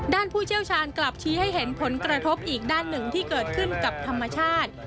ผู้เชี่ยวชาญกลับชี้ให้เห็นผลกระทบอีกด้านหนึ่งที่เกิดขึ้นกับธรรมชาติ